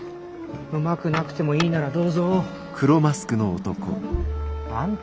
うまくなくてもいいならどうぞ。あんた。